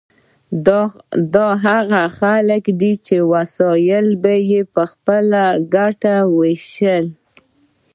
دا هغه خلک دي چې وسایل یې په خپله ګټه ویشلي.